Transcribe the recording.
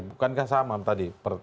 bukankah samam tadi